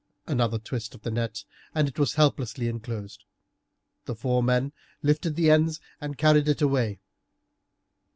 Another twist of the net and it was helplessly inclosed; the four men lifted the ends and carried it away.